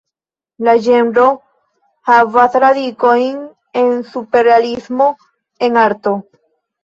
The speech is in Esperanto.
La ĝenro havas radikojn en superrealismo en artoj.